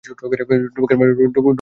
ডুবেকে বলবে তোমাকে বলেছি।